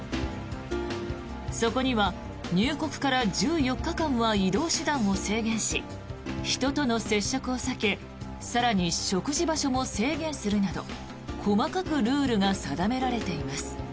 そこには入国から１４日間は移動手段を制限し人との接触を避け更に、食事場所も制限するなど細かくルールが定められています。